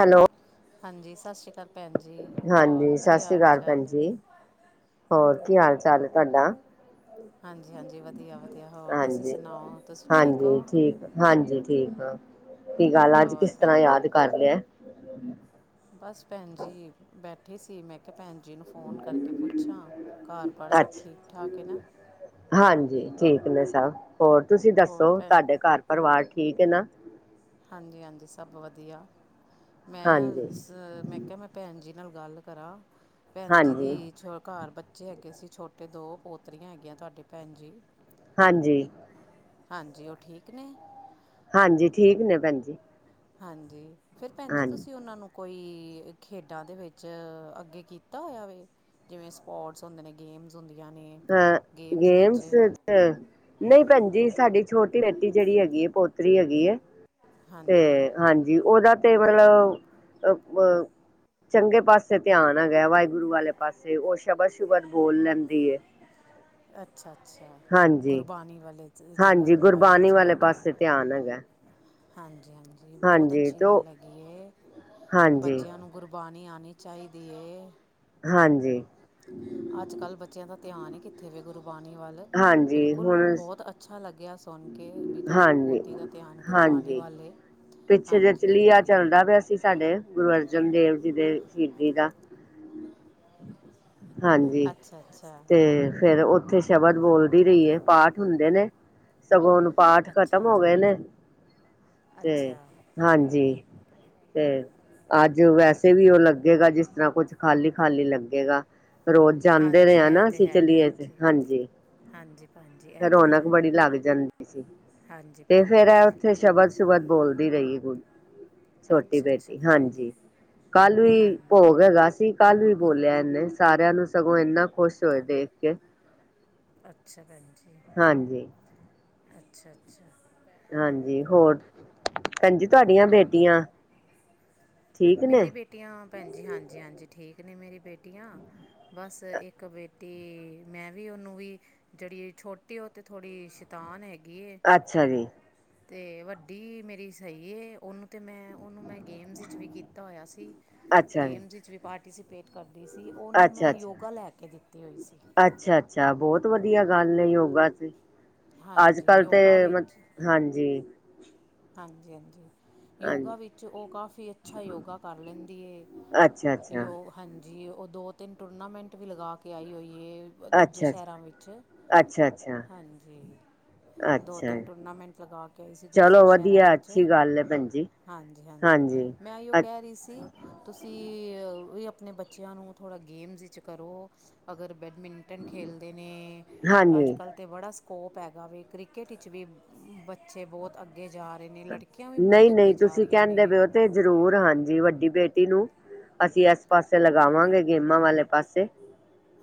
Hello. ਹਾਂਜੀ ਸਤਿ ਸ਼੍ਰੀ ਅਕਾਲ ਭੈਣ ਜੀ ਹੋਰ ਹਾਂਜੀ ਸਤਿ ਕੀ ਸ੍ਰੀ ਹਾਲ ਅਕਾਲ ਭੈਣ ਚਾਲ ਹੈ। ਜੀ ਹੋਰ ਕੀ ਹਾਲ ਚਾਲ ਹੈ ਤੁਹਾਡਾ। ਹਾਂਜੀ ਹਾਂਜੀ ਵਧੀਆ ਵਧੀਆ ਹੋਰ ਤੁਸੀਂ ਹਾਂਜੀ ਸੁਣਾਓ ਤੁਸੀਂ ਠੀਕ ਹਾਂਜੀ ਹੋ ਠੀਕ। ਹਾਂਜੀ ਠੀਕ ਆ ਕੀ ਗੱਲ ਆ ਅੱਜ ਹੋਰ ਕਿਸ ਤਰ੍ਹਾਂ ਭੈਣ ਯਾਦ ਜੀ ਕਰ ਲਿਆ। ਬਸ ਭੈਣ ਜੀ ਬੈਠੇ ਸੀ ਮੈਂ ਕਿਹਾ ਭੈਣ ਜੀ ਨੂੰ ਫੋਨ ਕਰਕੇ ਪੁੱਛਾਂ ਘਰ ਬਰ ਸਭ ਠੀਕ ਅੱਛਾ ਠਾਕ ਹੈ ਨਾ। ਹਾਂਜੀ ਠੀਕ ਨੇ ਸਭ ਹੋਰ ਤੁਸੀਂ ਹੋਰ ਦੱਸੋ ਭੈਣ ਤੁਹਾਡੇ ਘਰ ਪਰਿਵਾਰ ਠੀਕ ਹੈ ਨਾ। ਹਾਂਜੀ ਹਾਂਜੀ ਸਭ ਵਧੀਆ ਮੈਂ ਹਾਂਜੀ ਮੈਂ ਕ ਮੈਂ ਭੈਣ ਜੀ ਨਾਲ ਗੱਲ ਕਰਾਂ ਭੈਣ ਜੀ ਹਾਂਜੀ ਦੀ ਛ ਘਰ ਬੱਚੇ ਹੈਗੇ ਸੀ ਛੋਟੇ ਦੋ ਪੋਤਰੀਆਂ ਹੈਗੀਆਂ ਤੁਹਾਡੇ ਭੈਣ ਜੀ। ਹਾਂਜੀ। ਹਾਂਜੀ ਉਹ ਠੀਕ ਨੇ। ਹਾਂਜੀ ਠੀਕ ਨੇ ਭੈਣ ਜੀ। ਹਾਂਜੀ ਫੇਰ ਭੈਣ ਜੀ ਹਾਂਜੀ ਤੁਸੀਂ ਉਹਨਾਂ ਨੂੰ ਕੋਈ ਖੇਡਾਂ ਦੇ ਵਿੱਚ ਅੱਗੇ ਕੀਤਾ ਹੋਇਆ ਵੈ ਜਿਵੇਂ ਸਪੋਰਟਸ ਹੁੰਦੇ ਨੇ। ਗੇਮਸ ਹੁੰਦੀਆਂ ਨੇ ਗੇਮਜ਼ ਵਿੱਚ ਅ ਨਹੀਂ ਭੈਣ ਜੀ ਸਾਡੀ ਛੋਟੀ ਬੇਟੀ ਜਿਹੜੀ ਹੈਗੀ ਹੈ ਪੋਤਰੀ ਹੈਗੀ ਹੈ। ਤੇ ਹਾਂਜੀ ਹਾਂਜੀ ਉਹਦਾ ਤੇ ਮਤਲਬ ਅ ਚੰਗੇ ਪਾਸੇ ਧਿਆਨ ਹੈਗਾ ਵਾਹਿਗੁਰੂ ਵਾਲੇ ਪਾਸੇ ਉਹ ਸ਼ਬਦ ਸ਼ੁਬਦ ਬੋਲ ਲੈਂਦੀ ਏ। ਅੱਛਾ ਅੱਛਾ ਹਾਂਜੀ, ਗੁਰਬਾਣੀ ਵਾਲੇ ਜਗ੍ਹਾ ਹਾਂਜੀ ਲਾਈਨ ਗੁਰਬਾਣੀ ਚ ਵਾਲੇ ਹੈਗਾ ਪਾਸੇ ਧਿਆਨ ਹੈਗਾ। ਹੈ। ਹਾਂਜੀ ਹਾਂਜੀ ਬਹੋਤ ਹਾਂਜੀ ਤੇ ਅੱਛੀ ਉਹ ਗੱਲ ਹੈਗੀ ਹਾਂਜੀ, ਬੱਚਿਆਂ ਨੂੰ। ਗੁਰਬਾਣੀ ਆਨੀ ਚਾਹੀਦੀ ਹੈ। ਹਾਂਜੀ, ਅੱਜ ਕੱਲ੍ਹ ਬੱਚਿਆਂ ਦਾ ਧਿਆਨ ਹੀ ਕਿੱਥੇ ਵੀ ਗੁਰਬਾਣੀ ਵੱਲ ਹਾਂਜੀ ਬਿਲਕੁਲ ਹੁਣ ਬਹੁਤ ਅੱ। ਅੱਛਾ ਲੱਗਿਆ ਸੁਣ ਕੇ ਵੀ ਤੁਹਾਡੀ ਹਾਂਜੀ, ਪੋਤੀ ਦਾ ਧਿਆਨ ਗੁਰਬਾਣੀ ਹਾਂਜੀ। ਵਾਲ ਹੇ। ਪਿੱਛੇ ਜ ਚ ਲੀਆ ਚੱਲਦਾ ਪਿਆ ਸੀ ਸਾਡੇ। ਗੁਰੂ ਅਰਜਨ ਦੇਵ ਜੀ ਦੇ ਸ਼ਹੀਦੀ ਦਾ। ਹਾਂਜੀ ਅੱਛਾ ਅੱਛਾ ਤੇ ਫੇਰ ਉੱਥੇ ਸ਼ਬਦ ਬੋਲਦੀ ਰਹੀਏ ਪਾਠ ਹੁੰਦੇ ਨੇ। ਸਗੋਂ ਹੁਨ ਪਾਠ ਅੱਛਾ ਖ਼ਤਮ ਹੋ ਅੱਛਾ ਗਏ ਨੇ। ਤੇ ਅੱਛਾ ਹਾਂਜੀ ਤੇ। ਅੱਜ ਵੈਸੇ ਵੀ ਉਹ ਲੱਗੇਗਾ। ਜਿਸ ਤਰ੍ਹਾਂ ਕੁਛ ਖਾਲੀ ਖਾਲੀ ਲੱਗੇਗਾ। ਰੋਜ਼ ਜਾਂਦੇ ਹਾਂਜੀ ਰਿਹਾ ਇਹ ਨਾ ਤਾਂ ਅਸੀ ਹੈ ਚਲੀਏ ਭੈਣ ਚ ਜੀ ਹਾਂਜੀ। ਹਾਂਜੀ ਭੈਣ ਜੀ। ਇਹ ਫੇਰ ਤਾਂ ਰੌਣਕ ਹੈ ਬੜੀ ਲੱਗ ਜਾਂਦੀ ਸੀ। ਹਾਂਜੀ ਤੇ ਭੈਣ ਫੇਰ ਜੀ ਇਹ ਉੱਥੇ ਸ਼ਬਦ- ਸੂ਼ਬਦ ਬੋਲਦੀ ਰਹੀਏ ਕੋਈ। ਛੋਟੀ ਅੱਛਾ ਅੱਛਾ ਬੇਟੀ ਭੈਣ ਜੀ ਹਾਂਜੀ। ਕੱਲ ਵੀ ਹਾਂਜੀ ਭੋਗ ਹੈਗਾ ਸੀ। ਕੱਲ ਵੀ ਬੋਲਿਆ ਇਹਨੇ, ਸਾਰਿਆਂ ਨੂੰ ਸਗੋਂ ਇੰਨਾ ਖੁਸ਼ ਹੋਏ ਦੇਖ ਕੇ। ਅੱਛਾ ਭੈਣ ਜੀ। ਹਾਂਜੀ। [inaudible] ਅੱਛਾ ਅੱਛਾ। ਹਾਂਜੀ ਹੋਰ। ਭੈਣ ਜੀ ਤੁਹਾਡੀਆਂ ਬੇਟੀਆਂ ਠੀਕ ਨੇ? ਮੇਰੀ ਬੇਟੀਆਂ ਭੈਣ ਜੀ ਹਾਂਜੀ ਹਾਂਜੀ ਠੀਕ ਨੇ, ਮੇਰੀ ਬੇਟੀਆਂ। ਬਸ ਇੱਕ ਬੇਟੀ, ਮੈਂ ਵੀ ਉਹਨੂੰ ਵੀ ਜਿਹੜੀ ਛੋਟੀ ਐ। ਉਹ ਤੇ ਥੋੜ੍ਹੀ ਸ਼ੈਤਾਨ ਹੈਗੀ ਏ। ਅੱਛਾ ਜੀ, ਤੇ ਵੱਡੀ ਮੇਰੀ ਸਹੀ ਏ, ਉਹਨੂੰ ਤਾਂ ਮੈਂ, ਉਹਨੂੰ ਮੈਂ ਗੇਮਸ ਵਿੱਚ ਵੀ ਕੀਤ ਕੀਤਾ ਹੋਇਆ ਸੀ। ਅੱਛਾ ਜੀ, ਗੇਮਜ਼ ਵਿੱਚ ਵੀ ਪਾਰਟੀਸੀਪੇਟ ਕਰਦੀ ਸੀ। ਉਹਨੂੰ ਮੈਂ ਯੋਗਾ ਲੈ ਕੇ ਦਿੱਤੀ ਹੋਈ ਸੀ। ਅੱਛਾ ਅੱਛਾ। ਬਹੁਤ ਵਧੀਆ ਗੱਲ ਹੈ ਯੋਗਾ ਚ, ਅੱਜ ਹਾਂਜੀ ਕੱਲ ਤੇ ਯੋਗਾ ਵਿੱਚ ਹਾਂਜੀ। ਹਾਂਜੀ ਹਾਂਜੀ। ਯੋਗਾ ਹਾਂਜੀ ਵਿੱਚ ਉਹ ਕਾਫੀ ਅੱਛਾ ਯੋਗਾ ਕਰ ਲੈਂਦੀ ਹੈ। ਅੱਛਾ-ਅੱਛਾ, ਯੋ ਹਾਂਜੀ। ਉਹ ਦੋ -ਤਿੰਨ ਟੂਰਨਾਮੈਂਟ ਵੀ ਲਗਾ ਕੇ ਆਈ ਹੋਈ ਹੈ। ਦੂਜੇ ਅੱਛਾ-ਅੱਛਾ, ਸ਼ਹਿਰਾਂ ਵਿੱਚ। ਅੱਛਾ ਅੱਛਾ। ਹਾਂਜੀ। ਦੋ ਅੱਛਾ -ਤਿੰਨ ਟੂਰਨਾਮੈਂਟ ਲਗਾ ਕੇ ਆਈ ਸੀ। ਚਲੋ ਦੂਸਰੇ ਸ਼ਹਿਰਾਂ ਵਧੀਆ ਵਿੱਚ, ਅੱਛੀ ਗੱਲ ਏ ਭੈਣ ਜੀ ਹਾਂਜੀ ਹਾਂਜੀ। ਮੈਂ ਓਹੀ ਕਹਿ ਰਹੀ ਸੀ। ਤੁਸੀਂ ਇਹ ਆਪਣੇ ਬੱਚਿਆਂ ਨੂੰ ਥੋੜ੍ਹਾ ਗੇਮਸ ਵਿੱਚ ਕਰੋ। ਅਗਰ ਬੈਡਮਿੰਟਨ ਖੇਲਦੇ ਨੇ, ਹਾਂਜੀ ਅਜ ਕੱਲ੍ਹ ਤੇ ਬੜਾ ਸਕੋਪ ਹੈਗਾ ਵੇ। ਕ੍ਰਿਕਟ ਵਿੱਚ ਵੀ ਬੱਚੇ ਬਹੁਤ ਅੱਗੇ ਅੱਗੇ ਜਾ ਰਹੇ ਨੇ, ਲੜਕੀਆਂ ਵੀ ਬਹੁਤ ਨਈ-ਨਈ ਅੱਗੇ ਜਾ ਤੁਸੀਂ ਰਹੀਆਂ ਕਹਿੰਦੇ ਨੇ। ਪਏ ਓ ਤੇ ਜ਼ਰੂਰ ਹਾਂਜੀ। ਵੱਡੀ ਬੇਟੀ ਨੂੰ ਅਸੀਂ ਇਸ ਪਾਸੇ ਲਗਾਵਾਂਗੇ। ਗੇਮਾਂ ਵਾਲੇ ਪਾਸੇ।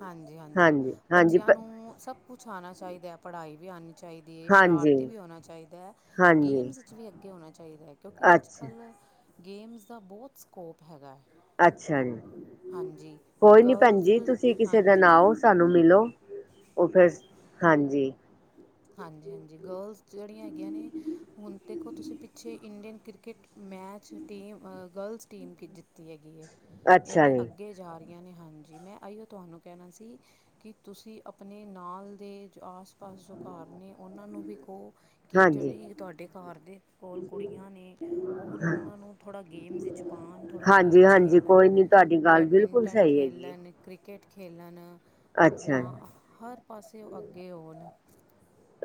ਹਾਂਜੀ ਹਾਂਜੀ, ਹਾਂਜੀ ਬੱਚਿਆਂ ਪ ਨੂੰ ਸਭ ਕੁਛ ਆਉਣਾ ਚਾਹੀਦਾ ਹੈ। ਪੜ੍ਹਾਈ ਵੀ ਆਉਣੀ ਚਾਹੀਦੀ ਹੈ। ਸ਼ਰਾਰਤੀ ਹਾਂਜੀ, ਵੀ ਹੋਣਾ ਚਾਹੀਦਾ ਹੈ। ਹਾਂਜੀ ਗੇਮਸ ਚ ਵੀ ਅੱਗੇ ਹੋਣਾ ਚਾਹੀਦਾ ਹੈ। ਕਿਉਂਕਿ ਅੱਜ- ਅੱਛਾ, ਕੱਲ੍ਹ ਗੇਮਸ ਦਾ ਬਹੁਤ ਸਕੋਪ ਹੈਗਾ ਹੈ। ਅੱਛਾ ਜੀ, ਹਾਂਜੀ ਕੋਈ ਨੀ ਭੈਣ ਗਰਲਜ਼ ਜੀ, ਤੁਸੀਂ ਕਿਸੇ ਦਿਨ ਹਾਂਜੀ ਆਓ ਸਾਨੂੰ ਮਿਲੋ, ਉਹ ਫਿਰ ਹਾਂਜੀ। ਹਾਂਜੀ ਹਾਂਜੀ। ਗਰਲਜ਼ ਜਿਹੜੀਆਂ ਹੈਗੀਆਂ ਨੇ ਹੁਣ ਦੇਖੋ ਤੁਸੀਂ, ਪਿੱਛੇ Indian cricket match team team, girls team ਹੈਗੀ ਹੈ, ਅੱਛਾ ਇੰਨੀ ਜੀ ਅੱਗੇ ਜਾ ਰਹੀਆਂ ਨੇ ਹਾਂਜੀ। ਮੈਂ ਇਹੀਓ ਤੁਹਾਨੂੰ ਕਹਿਣਾ ਸੀ ਕਿ ਤੁਸੀਂ ਆਪਣੇ ਨਾਲ ਦੇ ਆਸ-ਪਾਸ ਜੋ ਘਰ ਨੇ, ਉਹਨਾਂ ਨੂੰ ਵੀ ਕਹੋ। ਕਿ ਹਾਂਜੀ ਜਿਹੜੇ ਤੁਹਾਡੇ ਘਰ ਦੇ ਕੋਲ ਕੁੜੀਆਂ ਨੇ। ਉਹਨਾਂ ਨੂੰ ਥੋੜ੍ਹਾ ਗੇਮਸ ਵਿੱਚ ਪਾਉਣ। ਥੋੜ੍ਹਾ ਹਾਂਜੀ ਗੇਮਸ ਹਾਂਜੀ ਖੇਲਣ। ਕੋਈ ਨੀ ਤੁਹਾਡੀ ਗੱਲ ਬਿਲਕੁਲ ਬੈਡਮਿੰਟਨ ਸਹੀ ਖੇਲ ਹੈਗੀ ਹੈ ਲੈਣ, ਨੀ ਕ੍ਰਿਕੇਟ ਖੇਲ ਲੈਣ। ਅੱਛਾ ਜੀ ਆਪਣਾ ਹਰ ਪਾਸੇ ਉਹ ਅੱਗੇ ਹੋਣ।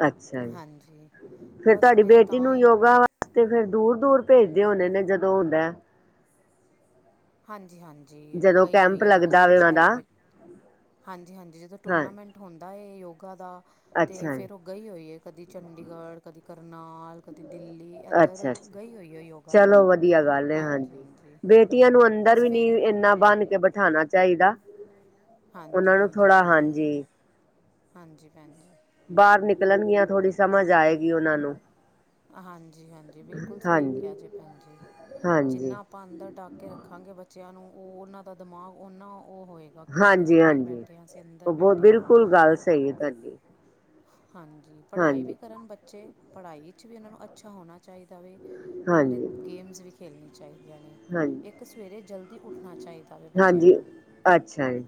ਅੱਛਾ ਜੀ। ਹਾਂਜੀ ਫੇਰ ਬਸ ਤੁਹਾਡੀ ਮੈਂ ਬੇਟੀ ਤਾਂ ਨੂੰ ਹੀ ਯੋਗਾ ਤੇ ਫੇਰ ਦੂਰ- ਦੂਰ ਭੇਜਦੇ ਹੋਦੇ ਨੇ, ਜਦੋਂ ਹੁੰਦਾ ਐ? ਹਾਂਜੀ ਹਾਂਜੀ। ਉਹ ਜਦੋਂ ਗਈ ਕੈਂਪ ਹੋਈ ਹੈ ਦੋ- ਲੱਗਦਾ ਤਿੰਨ ਵੇ ਉਹਨਾਂ ਦਾ ਸ਼ਹਿਰਾਂ ਵਿੱਚ, ਹਾਂਜੀ ਹਾਂਜੀ। ਜਦੋਂ ਹਾਂ ਟੂਰਨਾਮੈਂਟ ਹੋਂਦਾ ਏ ਯੋਗਾ। ਤੇ ਅੱਛਾ ਜੀ ਫਿਰ ਓ ਗਈ ਹੋਈ ਏ ਕਦੀ ਚੰਡੀਗੜ੍ਹ, ਕਦੀ ਕਰਨਾਲ, ਕਦੀ ਦਿੱਲੀ ਅੱਛਾ ਇੱਧਰ ਅੱਛਾ ਗਈ ਹੋਈ ਐ ਯੋਗਾ ਚਲੋ ਕਰਨ ਹਾਂਜੀ-ਹਾਂਜੀ। ਧੀਆਂ ਨੂੰ ਅੰਦਰ ਵੀ ਨੀ ਇੰਨਾ ਬਨ ਕੇ ਬਿਠਾਣਾ ਚਾਈਦਾ। ਹਾਂਜੀ ਉਨਾਂ ਨੂੰ ਹਾਂਜੀ ਥੋੜ੍ਹਾ ਭੈਣ ਜੀ ਹਾਂਜੀ ਹਾਂਜੀ, ਭੈਣਜੀ। ਬਾਹਰ ਨਿਕਲਣਗੀਆਂ ਥੋੜ੍ਹੀ ਸਮਝ ਆਏਗੀ ਉਨਾਂ ਨੂੰ। ਹਾਂਜੀ-ਹਾਂਜੀ, ਬਿਲਕੁਲ ਸਈ ਕਿਆ ਹਾਂਜੀ ਜੇ ਭੈਣ ਜੀ, ਹਾਂਜੀ ਜਿੰਨਾ ਅਪਾਂ ਅੰਦਰ ਡੱਕ ਕੇ ਰੱਖਾਂਗੇ ਬੱਚਿਆਂ ਨੂੰ, ਓ ਉਨਾਂ ਦਾ ਦਿਮਾਗ ਉੱਨਾਂ ਓ ਹੋਏਗਾ। ਬਾਕੀ ਅਸੀਂ ਹਾਂਜੀ ਅੰਦਰ ਹਾਂਜੀ ਬੈਠੇ ਹਾਂ, ਅਸੀਂ ਅੰਦਰ ਉਹ ਬਹੁਤ ਬੈਠੇ ਆ। ਬਿਲਕੁਲ ਗੱਲ ਸੀ ਸਈ ਏ ਤੁਆਡੀ। ਹਾਂਜੀ, ਪੜ੍ਹਾਈ ਵੀ ਕਰਨ ਬੱਚੇ, ਪੜ੍ਹਾਈ ਚ ਵੀ ਉਨਾਂ ਨੂੰ ਅੱਛਾ ਹੋਣਾ ਚਾਈਦਾ ਵੇ, ਨਾਲੇ ਹਾਂਜੀ ਗੇਮਜ਼ ਵੀ ਖੇਲਣੀ ਚਾਈਦੀਆਂ ਨੇ। ਹਾਂਜੀ ਇੱਕ ਸਵੇਰੇ ਜਲਦੀ ਉੱਠਣਾ ਚਾਈਦਾ ਵੇ ਬੱਚਿਆਂ ਹਾਂਜੀ ਨੂੰ। ਅੱਛਾ ਜੀ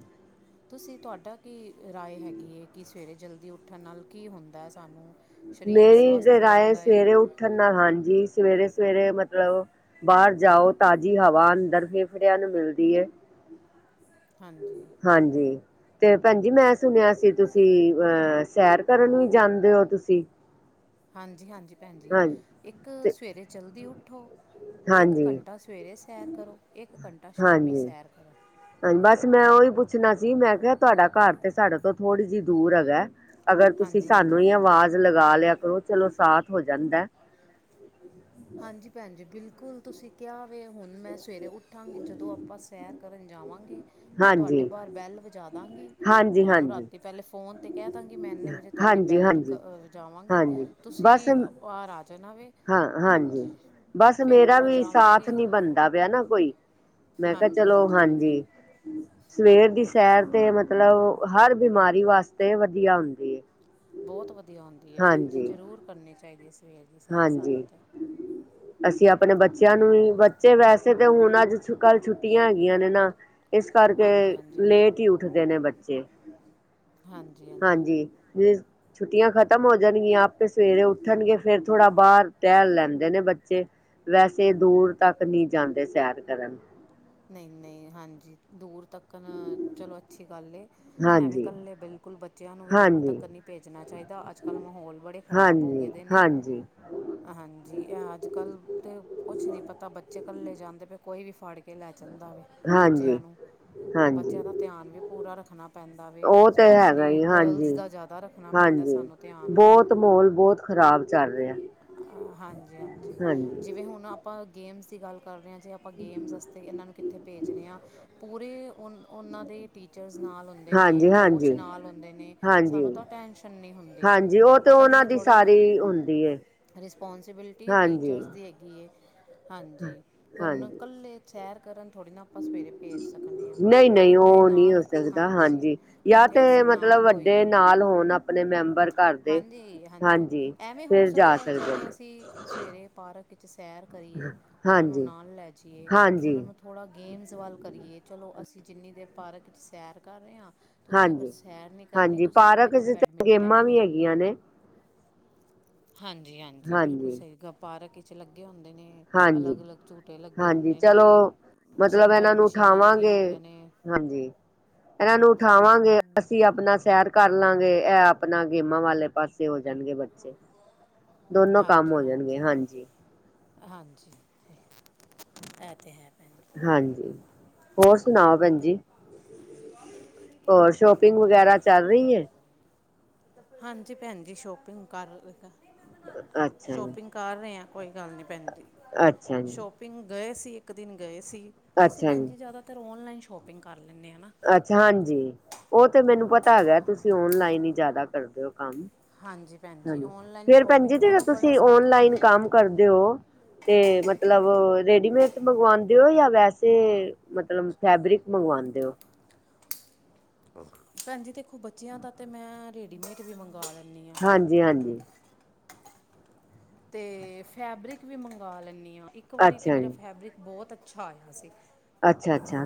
ਤੁਸੀਂ ਤੁਆਡਾ ਕੀ ਰਾਏ ਹੈਗੀ ਐ ਕਿ ਸਵੇਰੇ ਜਲਦੀ ਉੱਠਣ ਨਾਲ ਕੀ ਹੁੰਦਾ ਐ ਸਾਨੂੰ? ਸਰੀਰ ਮੇਰੀ ਤੇ ਸਵਸਥ ਰਾਏ ਰਹਿੰਦਾ ਸਵੇਰੇ ਹੈ ਉੱਠਣ ਨਾਲ, ਹਾਂਜੀ, ਸਵੇਰੇ-ਸਵੇਰੇ ਮਤਲਬ ਬਾਹਰ ਜਾਓ। ਤਾਜ਼ੀ ਹਵਾ ਅੰਦਰ ਫੇਫੜਿਆਂ ਨੂੰ ਮਿਲਦੀ ਏ। ਹਾਂਜੀ। ਹਾਂਜੀ। ਤੇ ਭੈਣਜੀ, ਮੈਂ ਸੁਣਿਆ ਸੀ ਤੁਸੀਂ, ਅਹ, ਸੈਰ ਕਰਨ ਵੀ ਜਾਂਦੇ ਓ ਤੁਸੀਂ? ਹਾਂਜੀ-ਹਾਂਜੀ ਭੈਣ ਜੀ, ਹਾਂਜੀ ਇੱਕ ਤੇ ਸਵੇਰੇ ਜਲਦੀ ਉੱਠੋ ਇੱਕ ਹਾਂਜੀ ਘੰਟਾ ਸਵੇਰੇ ਸੈਰ ਕਰੋ, ਇੱਕ ਘੰਟਾ ਸ਼ਾਮੀ ਸੈਰ ਕਰੋ। ਹਾਂ, ਬਸ ਮੈਂ ਓਹੀ ਪੁੱਛਣਾ ਸੀ, ਮੈਂ ਕਿਆ ਤੁਆਡਾ ਘਰ ਤੇ ਸਾਡੇ ਤੋਂ ਥੋੜੀ ਜੀ ਦੂਰ ਹੈਗਾ। ਅਗਰ ਤੁਸੀਂ ਹਾਂਜੀ-ਹਾਂਜੀ ਸਾਨੂੰ ਈ ਭੈਣ ਜੀ ਆਵਾਜ਼ ਲਗਾ ਲਿਆ ਕਰੋ, ਚਲੋ ਸਾਥ ਹੋ ਜਾਂਦਾ। ਹਾਂਜੀ ਭੈਣ ਜੀ, ਬਿਲਕੁਲ ਤੁਸੀਂ ਕਿਆ ਵੇ, ਹੁਣ ਮੈਂ ਸਵੇਰੇ ਉੱਠਾਂਗੀ ਜਦੋਂ ਅਪਾਂ ਸੈਰ ਕਰਨ ਜਾਵਾਂਗੇ, ਮੈਂ ਤੁਆਡੇ ਹਾਂਜੀ, ਬਾਹਰ ਬੈਲ ਵਜਾਦਾਂਗੀ। ਹਾਂਜੀ, ਤੁਆਨੂੰ ਹਾਂਜੀ, ਰਾਤੀ ਪਹਿਲੇ ਫੋਨ ਤੇ ਕੈਦਾਂਗੀ, ਮੈਂ ਇੰਨੇ ਵਜੇ ਤੁਆਡੀ ਹਾਂਜੀ, ਬੈੱਲਕ ਹਾਂਜੀ। ਵਜਾਵਾਂਗੀ, ਹਾਂਜੀ ਬਸ ਤੁਸੀਂ ਬਾਹਰ ਆ ਜਾਨਾ ਵੇ। ਹਾਂ ਹਾਂਜੀ, ਬਸ ਫਿਰ ਮੇਰਾ ਆਪਾਂ ਵੀ ਸਾਥ ਜਾਵਾਂਗੇ ਨੀ ਬਣਦਾ ਪਿਆ ਨਾ ਕੋਈ। ਮੈਂ ਕਿਆ ਚਲੋ, ਹਾਂਜੀ-ਹਾਂਜੀ ਭੈਣ ਜੀ ਹਾਂਜੀ। ਸਵੇਰ ਦੀ ਸੈਰ ਤੇ ਮਤਲਬ ਹਰ ਬਿਮਾਰੀ ਵਾਸਤੇ ਵਦੀਆ ਹੁੰਦੀ ਏ। ਬਹੁਤ ਵਦੀਆ ਹੁੰਦੀ ਐ ਭੈਣ ਜੀ, ਜ਼ਰੂਰ ਕਰਨੀ ਚਾਈਦੀ ਐ ਹਾਂਜੀ। ਅਸੀਂ ਆਪਣੇ ਬੱਚਿਆਂ ਨੂੰ ਈ ਬੱਚੇ ਵੈਸੇ ਤੇ ਹੁਣ ਅੱਜ ਕੱਲ ਛੁੱਟੀਆਂ ਹੈਗੀਆਂ ਨੇ ਨਾ ਇਸ ਕਰਕੇ ਹਾਂਜੀ ਹਾਂਜੀ ਲੇਟ ਈ ਉੱਠਦੇ ਨੇ ਬੱਚੇ, ਹਾਂਜੀ। ਜੀ ਛੁੱਟੀਆਂ ਖਤਮ ਹੋ ਜਾਣਗੀਆਂ ਆਪੇ ਸਵੇਰੇ ਉੱਠਣਗੇ ਥੋੜਾ ਬਾਹਰ ਟਹਿਲ ਲੈਂਦੇ ਨੇ ਬੱਚੇ ਵੈਸੇ ਦੂਰ ਤੱਕ ਨੀ ਜਾਂਦੇ ਸੈਰ ਕਰਨ। ਨਈ-ਨਈ, ਹਾਂਜੀ ਦੂਰ ਤੱਕਨ ਚਲੋ ਅੱਛੀ ਗੱਲ ਏ। ਐਵੇ ਹਾਂਜੀ ਕੱਲੇ‌ ਬਿਲਕੁਲ ਬ ਚਿਆਂ ਨੂੰ ਵੀ ਦੂਰ ਹਾਂਜੀ ਤੱਕ ਨਈ ਭੇਜਣਾ ਚਾਈਦਾ ਅੱਜ ਕੱਲ੍ਹ ਮਾਹੌਲ ਬੜੇ ਖਰਾਬ ਹੋ ਹਾਂਜੀ ਗਏਦੇ ਨੇ। ਹਾਂਜੀ ਹਾਂਜੀ, ਇਹ ਅੱਜ ਕੱਲ ਦੇ ਕੁਛ ਨੀ ਪਤਾ ਬੱਚੇ ਕੱਲੇ ਜਾਂਦੇ ਪਏ ਕੋਈ ਵੀ ਫਾੜ ਕੇ ਕੇ ਲੈ ਜਾਂਦਾ ਵੇ ਬੱਚਿਆਂ ਹਾਂਜੀ ਨੂੰ। ਬੱਚਿਆਂ ਹਾਂਜੀ ਦਾ ਧਿਆਨ ਵੀ ਪੂਰਾ ਰੱਖਣਾ ਪੈਂਦਾ ਵੇ, ਉਹ ਤਾਂ ਹੈਗਾ ਸਪੈਸ਼ਲੀ ਹੀ ਗਰਲਜ਼ ਦਾ ਜ਼ੈਦਾ ਰੱਖਣਾ ਪੈਂਦਾ ਸਾਨੂੰ। ਧਿਆਨ ਬੌਤ, ਮਾਹੋਲ ਬੌਤ ਖ਼ਰਾਬ ਚੱਲ ਰਿਆ। ਹਾਂਜੀ ਹਾਂਜੀ, ਜਿਵੇਂ ਹੁਣ ਆਪਾਂ ਗੇਮਸ ਦੀ ਗੱਲ ਕਰ ਰਏ ਆ, ਜੇ ਆਪਾਂ ਗੇਮਜ਼ ਤੇ ਇਨਾਂ ਨੂੰ ਕਿੱਥੇ ਭੇਜਰੇ ਆ, ਪੂਰੇ ਓ ਉਨਾਂ ਦੇ ਟੀਚਰਸ ਨਾਲ ਹੁੰ ਦੇ ਨੇ ਹਾਂਜੀ ਕੋੱਚ ਹਾਂਜੀ ਨਾਲ ਹੁੰਦੇ ਨੇ, ਹਾਂਜੀ ਸਾਨੂੰ ਤਾਂ ਟੈਸ਼ਨ ਨੀ ਹੁੰਦੀ। ਹਾਂਜੀ, ਉਹ ਤੇ ਆਪਾਂ ਉਹਨਾਂ ਇਕੱਲੇ ਦੀ ਥੋੜ੍ਹੇ ਨਾ ਸਾਰੀ ਹੁੰਦੀ ਹੈ। ਰਿਸਪੋਂਸੀਬਿਲਿਟੀ ਟੀਚਰਸ ਦੀ ਹੈਗੀ ਹੈ, ਹਾਂਜੀ, ਹੁਣ ਹਾਂਜੀ ਇਕੱਲੇ ਸੈਰ ਕਰਨ ਥੋੜ੍ਹੀ ਨਾ ਆਪਾਂ ਸਵੇਰੇ ਭੇਜ ਸਕਦੇ ਹਾਂ, ਨਹੀਂ ਨਹੀਂ ਉਹਦੇ ਤੇ ਉਹ ਨਹੀਂ ਹੋ ਨਾਲ, ਸਕਦਾ ਹਾਂਜੀ। ਜਾਂ ਉੱਥੇ ਤੇ ਅਸੀਂ ਮਤਲਬ ਨਾਲ ਵੱਡੇ ਹੋਈਏ, ਨਾਲ ਹੋਣ ਆਪਣੇ ਮੈਂਬਰ ਘਰ ਦੇ ਹਾਂਜੀ, ਹਾਂਜੀ, ਹਾਂਜੀ। ਐਵੇਂ ਹੋ ਫਿਰ ਸਕਦਾ ਜਾ ਹੈ ਸਕਦੇ ਜਿਵੇਂ ਨੇ ਅਸੀਂ ਸਵੇਰੇ ਪਾਰਕ ਵਿੱਚ ਸੈਰ ਕਰੀਏ ਉਹਨਾਂ ਨੂੰ ਹਾਂਜੀ ਨਾਲ ਲੈ ਜਾਈਏ, ਹਾਂਜੀ ਉਹਨਾਂ ਨੂੰ ਥੋੜ੍ਹਾ ਗੇਮਸ ਵੱਲ ਕਰੀਏ ਚਲੋ ਅਸੀਂ ਜਿੰਨੀ ਦੇਰ ਪਾਰਕ ਚ ਸੈਰ ਕਰ ਰਹੇ ਹਾਂ। ਤੁਸੀਂ ਅਗਰ ਹਾਂਜੀ ਸੈਰ ਨਹੀਂ ਕਰਨੀ ਹਾਂਜੀ ਤੁਸੀਂ ਥੋੜ੍ਹੀ ਪਾਰਕ ਦੇਰ ਚ ਤੇ ਬੈਡਮਿੰਟਨ ਗੇਮਾਂ ਵੀ ਖੇਡ ਹੈਗੀਆਂ ਲਓ। ਨੇ ਹਾਂਜੀ, ਹਾਂਜੀ ਬਿਲਕੁਲ ਸਹੀ ਗ ਪਾਰਕ ਵਿੱਚ ਲੱਗੇ ਹੁੰਦੇ ਨੇ। ਹਾਂਜੀ ਅਲੱਗ ਅਲੱਗ ਝੂਟੇ ਲੱਗੇ ਹਾਂਜੀ ਹੁੰਦੇ ਨੇ, ਚਲੋ ਨੇ ਮਤਲਬ ਜਿੰਮ ਵਾਲੀ ਇਹਨਾਂ ਨੂੰ ਮਸ਼ੀਨਾਂ ਲੱਗੀਆਂ ਉਠਾਵਾਂਗੇ ਹੁੰਦੀਆਂ ਨੇ, ਹਾਂਜੀ ਇਹਨਾਂ ਨੂੰ ਉਠਾਵਾਂਗੇ ਹਾਂਜੀ ਹਾਂਜੀ ਅਸੀਂ ਆਪਣਾ ਸੈਰ ਕਰ ਲਾਗੇ ਇਹ ਆਪਣਾ ਗੇਮਾਂ ਵਾਲੇ ਪਾਸੇ ਹੋ ਜਾਣਗੇ ਬੱਚੇ, ਦੋਨੋ ਕੰਮ ਹੋ ਜਾਣਗੇ ਹਾਂਜੀ, ਹਾਂਜੀ, ਇਹ ਤਾਂ ਹੈ। ਭੈਣ ਜੀ। ਹਾਂਜੀ ਹੋਰ ਸੁਣਾਓ ਭੈਣ ਜੀ। ਹੋਰ ਸ਼ੋਪਿੰਗ ਵਗੈਰਾ ਚੱਲ ਰਹੀ ਹੈ [unintelligible] ਹਾਂਜੀ ਭੈਣ ਜੀ ਸ਼ੋਪਿੰਗ ਕਰ, ਅੱਛਾ ਜੀ ਸ਼ੋਪਿੰਗ, ਕਰ ਰਹੇ ਹਾਂ ਕੋਈ ਗੱਲ ਨਹੀਂ ਭੈਣ ਜੀ। ਅੱਛਾ ਜੀ। ਸ਼ੋਪਿੰਗ ਗਏ ਸੀ ਇੱਕ ਦਿਨ ਗਏ ਸੀ ਅਸੀਂ ਭੈਣ ਜੀ ਜ਼ਿਆਦਾਤਰ ਆਨਲਾਈਨ ਸ਼ੋਪਿੰਗ ਕਰ ਲੈਂਦੇ ਹੈ ਨਾ। ਅੱਛਾ, ਹਾਂਜੀ, ਉਹ ਤੇ ਮੈਨੂੰ ਪਤਾ ਹੈਗਾ ਤੁਸੀਂ ਆਨਲਾਈਨ ਹੀ ਜਿਆਦਾ ਕਰਦੇ ਹੋ ਕੰਮ। ਹਾਂਜੀ ਭੈਣ ਜੀ ਹਾਂਜੀ, ਔਨਲਾਈਨ ਫੇਰ ਭੈਣ ਸ਼ੋਪਿੰਗ ਜੀ ਦਾ ਜਿਹੜਾ ਨਾ ਬੜਾ ਤੁਸੀਂ ਸੌਖ ਹੈ ਆਨਲਾਈਨ ਕੰਮ ਕਰਦੇ ਹੋ, ਤੇ ਮਤਲਬ ਰੇਡੀਮੇਡ ਮੰਗਵਾਉਂਦੇ ਹੋ ਜਾਂ ਵੈਸੇ ਮਤਲਬ ਫੈਬਰਿਕ ਮੰਗਵਾਉਂਦੇ ਹੋ, ਭੈਣ ਜੀ ਦੇਖੋ ਬੱਚਿਆਂ ਦਾ ਤੇ ਮੈਂ ਰੇਡੀਮੇਡ ਵੀ ਮੰਗਵਾ ਲੈਂਦੀ ਹਾਂ, ਹਾਂਜੀ-ਹਾਂਜੀ। ਤੇ ਫੈਬਰਿਕ ਵੀ ਮੰਗਵਾ ਲੈਂਦੀ ਹਾਂ ਇੱਕ ਵਾਰੀ ਤਾਂ ਅੱਛਾ ਮੇਰਾ ਜੀ ਫੈਬਰਿਕ ਬਹੁਤ ਅੱਛਾ ਆਇਆ ਸੀ। ਅੱਛਾ-ਅੱਛਾ।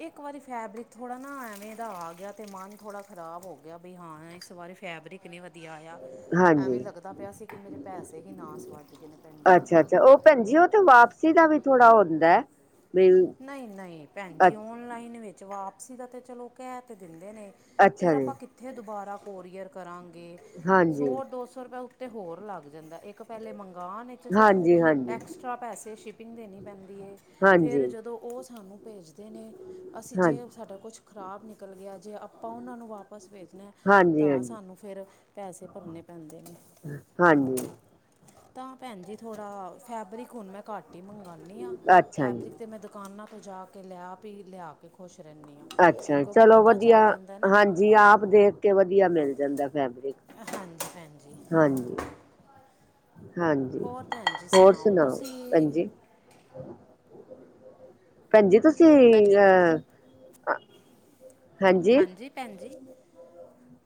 ਇੱਕ ਵਾਰੀ ਫੈਬਰਿਕ ਥੋੜ੍ਹਾ ਨਾ ਐਵੇਂ ਦਾ ਆ ਗਿਆ ਤੇ ਮਨ ਥੋੜ੍ਹਾ ਖ਼ਰਾਬ ਹੋ ਗਿਆ ਬਈ ਹਾਂ ਇਸ ਵਾਰੀ ਫੈਬਰਿਕ ਨਹੀਂ ਵਧੀਆ ਆਇਆ ਐਵੇਂ ਹਾਂਜੀ ਲੱਗਦਾ ਪਿਆ ਸੀ ਕਿ ਮੇਰੇ ਪੈਸੇ ਹੀ ਨਾਸ ਵਜ ਗਏ ਨੇ ਭੈਣ ਜੀ। ਅੱਛਾ, ਅੱਛਾ ਉਹ ਭੈਣਜੀ ਉਹ ਤੇ ਵਾਪਸੀ ਦਾ ਵੀ ਥੋੜਾ ਹੁੰਦਾ ਹੈ, ਵੀ ਨਹੀਂ ਨਹੀਂ ਭੈਣ ਅ ਜੀ ਆਨਲਾਈਨ ਵਿੱਚ ਵਾਪਸੀ ਦਾ ਤੇ ਚਲੋ ਕਹਿ ਤੇ ਦਿੰਦੇ ਨੇ, ਫੇਰ ਅੱਛਾ ਜੀ ਆਪਾਂ ਕਿੱਥੇ ਦੁਬਾਰਾ ਕੋਰੀਅਰ ਕਰਾਂਗੇ ਹਾਂਜੀ ਸੌ ਦੋ ਸੌ ਰੁਪਏ, ਤੇ ਹੋਰ ਲੱਗ ਜਾਂਦਾ ਇੱਕ ਪਹਿਲੇ ਮੰਗਾਨ, 'ਸਾਨੂੰ ਹਾਂਜੀ ਹਾਂਜੀ ਐਕਸਟ੍ਰਰਾ ਪੈਸੇ ਸ਼ਿਪਿੰਗ ਦੇਣੀ ਪੈਂਦੀ ਏ ਹਾਂਜੀ ਫਿਰ ਜਦੋਂ ਓ ਸਾਨੂੰ ਪੇਜਦੇ ਨੇ ਅਸੀਂ ਹਾਂ ਜੇ ਸਾਡਾ ਕੁਛ ਖ਼ਰਾਬ ਨਿਕਲ ਗਿਆ ਜੇ ਆਪਾਂ ਉਨਾਂ ਨੂੰ ਵਾਪਸ ਪੇਜਣਾ ਹਾਂਜੀ ਤਾਂ ਹਾਂਜੀ ਸਾਨੂੰ ਫੇਰ ਪੈਸੇ ਪਰਨੇ ਪੈਂਦੇ ਨੇ ਹਾਂਜੀ ਤਾਂ ਭੈਣ ਜੀ ਥੋੜ੍ਹਾ ਫੈਬਰਿਕ ਹੁਣ ਮੈਂ ਘੱਟ ਈ ਮੰਗਾਨੀਂ ਆ ਅੱਛਾ ਜੀ ਫੈਬਰਿਕ ਤੇ ਮੈਂ ਦੁਕਾਨਾਂ ਤੋਂ ਜਾ ਕੇ ਲਿਆ ਵੀ ਲਿਆ ਕੇ ਖੁਸ਼ ਰਹਿਨੀ ਆ। ਅੱਛਾ, ਚਲੋ ਵਧੀਆ ਹਾਂਜੀ ਆਪ ਦੇਖ ਕੇ ਵਧੀਆ ਮਿਲ ਜਾਂਦਾ ਫੈਬਰਿਕ ਹਾਂਜੀ ਭੈਣਜੀ। ਹਾਂਜੀ, ਹਾਂਜੀ, ਹੋਰ ਭੈਣ ਜੀ ਹੋਰ ਸੁਣਾਓ, ਤੁਸੀਂ ਭੈਣ ਜੀ। ਭੈਣਜੀ ਤੁਸੀਂ ਭੈਣਜੀ ਅਹ ਅ, ਹਾਂਜੀ, ਭੈਣ ਜੀ।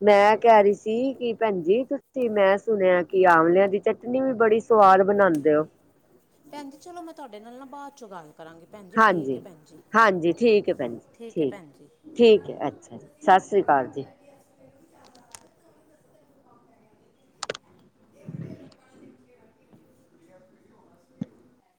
ਮੈਂ ਕਹਿ ਰਹੀ ਸੀ ਕਿ ਭੈਣਜੀ ਤੁਸੀਂ ਮੈਂ ਸੁਣਿਆ ਕਿ ਆਮਲਿਆਂ ਦੀ ਚਟਨੀ ਵੀ ਬੜੀ ਸਵਾਦ ਬਣਾਉਂਦੇ ਹੋ। ਭੈਣ ਜੀ ਚਲੋ ਮੈਂ ਤੁਹਾਡੇ ਨਾਲ ਨਾ ਬਾਅਦ ਚੋਂ ਗੱਲ ਕਰਾਂਗੀ। ਭੈਣ ਜੀ ਠੀਕ ਹੈ ਹਾਂਜੀ ਭੈਣ ਜੀ ਹਾਂਜੀ ਠੀਕ ਹੈ ਭੈਣ ਜੀ ਹੈ ਠੀਕ। ਭੈਣ ਜੀ ਠੀਕ ਹੈ ਅੱਛਾ ਜੀ ਸਤਿ ਸ਼੍ਰੀ ਅਕਾਲ ਜੀ। ਮੈਨੂੰਦਾਨੂੰ ਦ ਪ ਵੱ ਵੱ। ਹੋਣਾ।